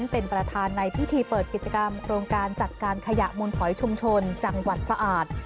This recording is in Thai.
เป็นประธานในพิธีเปิดกิจกรรมโครงการจัดการขยะมูลฝอยชุมชนจังหวัดสะอาด